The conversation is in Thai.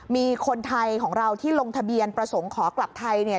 มีคนไทยของเราที่ลงทะเบียนประสงค์ขอกลับไทยเนี่ย